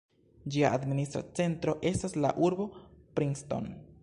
Ĝia administra centro estas la urbo Princeton.